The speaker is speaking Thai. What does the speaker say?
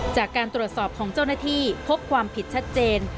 จากการตรวจสอบของเจ้าหน้าที่พบความผิดชัดเจน